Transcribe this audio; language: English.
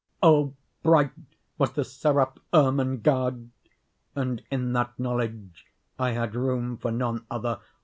—Oh, bright was the seraph Ermengarde! and in that knowledge I had room for none other.